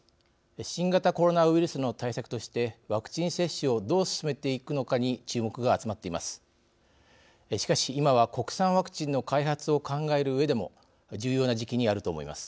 新型コロナウイルスの対策としてワクチン接種をどう進めていくのかに注目が集まっています。